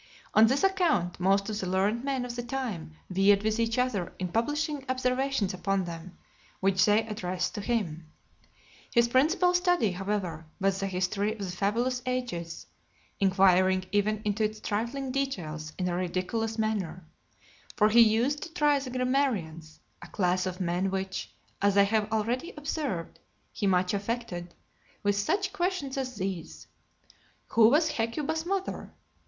On this account, most of the learned men of the time vied with each other in publishing observations upon them, which they addressed to him. His principal study, however, was the history of the fabulous ages, inquiring even into its trifling details in a ridiculous manner; for he used to try the grammarians, a class of men which, as I have already observed, he much affected, with such questions as these: "Who was Hecuba's mother?